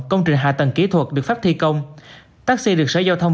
công trình hạ tầng kỹ thuật được phép thi công tác xe được sở giao thông